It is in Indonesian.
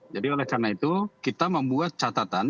jadi oleh karena itu kita membuat catatan